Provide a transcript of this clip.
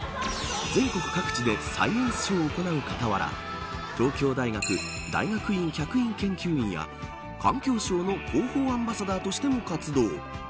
全国各地でサイエンスショーを行う傍ら東京大学大学院客員研究員や環境省の広報アンバサダーとしても活動。